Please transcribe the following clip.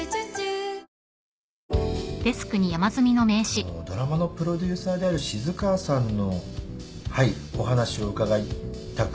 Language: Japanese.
あのドラマのプロデューサーである静川さんのはいお話を伺いたく。